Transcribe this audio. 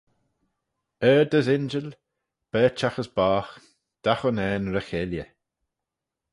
Ard as injil, berchagh as boght: dagh unnane ry-cheilley.